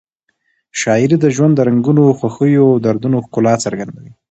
شاعري د ژوند د رنګونو، خوښیو او دردونو ښکلا څرګندوي.